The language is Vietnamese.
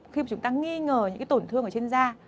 khi mà chúng ta nghi ngờ những tổn thương ở trên da